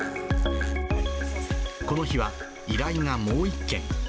この日は、依頼がもう１件。